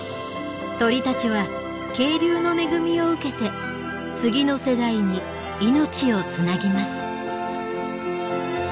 鳥たちは渓流の恵みを受けて次の世代に命をつなぎます。